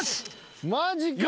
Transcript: マジかよ。